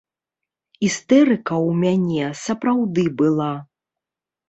Істэрыка ў мяне сапраўды была.